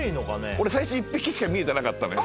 俺最初１匹しか見えてなかったのよ。